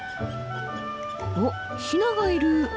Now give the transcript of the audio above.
おっヒナがいる。